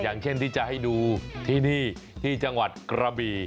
อย่างเช่นที่จะให้ดูที่นี่ที่จังหวัดกระบี่